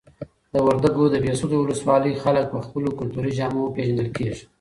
د وردګو د بهسود ولسوالۍ خلک په خپلو کلتوري جامو پیژندل کیږي.